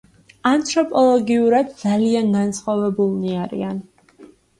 ანთროპოლოგიურად ძალიან განსხვავებულნი არიან.